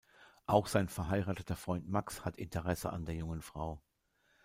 Auch sein verheirateter Freund Max hat Interesse an der jungen Frau.